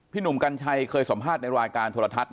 พี่หนุ่มกัญชัยเคยสอมฆาตในรายการโทรทัศน์